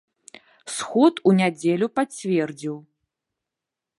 Сход у нядзелю пацвердзіў.